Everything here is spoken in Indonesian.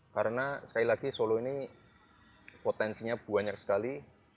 karena sekali lagi solo ini potensinya banyak sekali